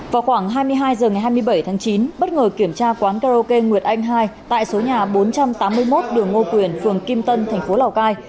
vào khoảng hai mươi hai h ngày hai mươi bảy tháng chín bất ngờ kiểm tra quán karaoke nguyệt anh hai tại số nhà bốn trăm tám mươi một đường ngô quyền phường kim tân thành phố lào cai